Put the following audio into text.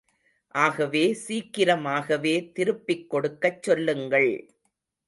ஆகவே சீக்கிரமாகவே திருப்பிக் கொடுக்கச் சொல்லுங்கள்.